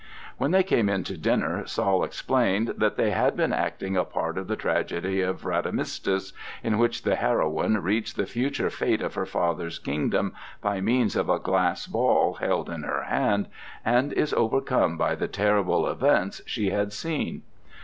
When they came in to dinner, Saul explained that they had been acting a part of the tragedy of Radamistus, in which the heroine reads the future fate of her father's kingdom by means of a glass ball held in her hand, and is overcome by the terrible events she has seen.